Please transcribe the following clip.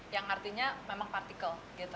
yang artinya memang partikel